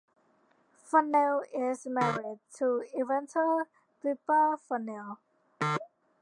Funnell is married to eventer Pippa Funnell.